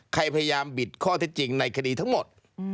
พยายามบิดข้อเท็จจริงในคดีทั้งหมด